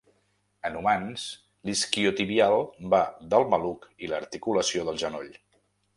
En humans, l'isquiotibial va del maluc i l'articulació del genoll.